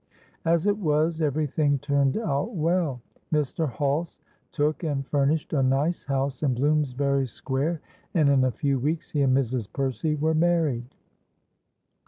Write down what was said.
As it was, every thing turned out well: Mr. Hulse took and furnished a nice house in Bloomsbury square, and in a few weeks he and Mrs. Percy were married.